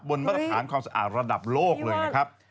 มาตรฐานความสะอาดระดับโลกเลยนะครับ